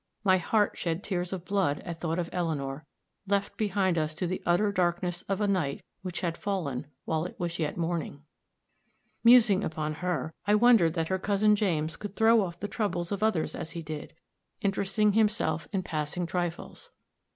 my heart shed tears of blood at thought of Eleanor, left behind us to the utter darkness of a night which had fallen while it was yet morning. Musing upon her, I wondered that her cousin James could throw off the troubles of others as he did, interesting himself in passing trifles.